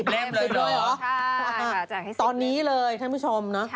๑๐เล่มเลยเหรอใช่ค่ะจังให้๑๐เล่มเลยใช่ค่ะตอนนี้เลยท่านผู้ชมเนอะ